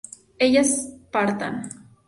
ellas partan